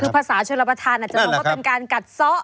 คือภาษาชนรับประทานอาจจะมองว่าเป็นการกัดซ้อ